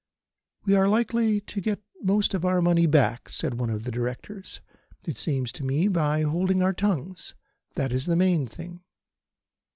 "We are likely to get most of our money back," said one of the Directors, "it seems to me, by holding our tongues. That is the main thing."